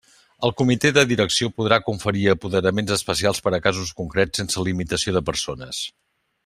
El Comité de Direcció podrà conferir apoderaments especials per a casos concrets sense limitació de persones.